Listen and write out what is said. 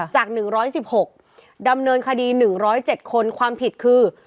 จาก๑๑๖ดำเนินคดี๑๐๗คนความผิดคือ